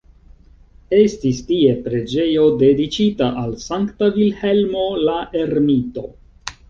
Estis tie preĝejo dediĉita al Sankta Vilhelmo la Ermito.